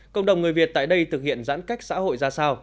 cộng đồng người việt tại đây thực hiện giãn cách xã hội ra sao